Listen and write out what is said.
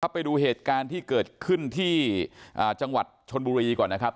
ไปดูเหตุการณ์ที่เกิดขึ้นที่จังหวัดชนบุรีก่อนนะครับ